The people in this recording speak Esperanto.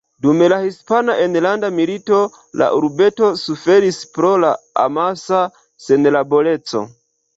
Dum la Hispana enlanda milito, la urbeto suferis pro la amasa senlaboreco.